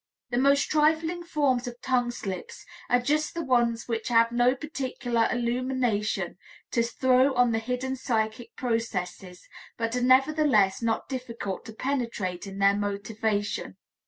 The most trifling forms of tongue slips are just the ones which have no particular illumination to throw on the hidden psychic processes, but are nevertheless not difficult to penetrate in their motivation.